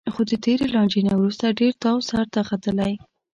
خو د تېرې لانجې نه وروسته ډېر تاو سرته ختلی